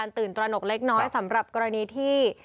ตื่นตระหนกเล็กน้อยสำหรับกรณีที่